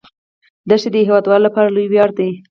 دښتې د هیوادوالو لپاره لوی ویاړ دی.